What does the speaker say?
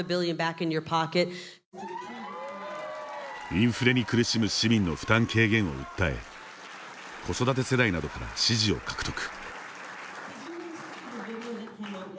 インフレに苦しむ市民の負担軽減を訴え子育て世代などから支持を獲得。